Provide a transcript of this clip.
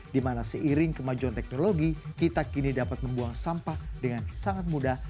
di mana seiring kemajuan teknologi kita kini dapat membuang sampah dengan sangat mudah